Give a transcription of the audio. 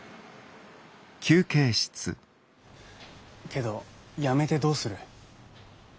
けど辞めてどうする？